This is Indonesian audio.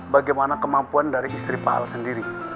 bagaimana kemampuan dari istri pak al sendiri